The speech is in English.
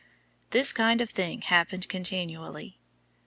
This kind of thing happened continually.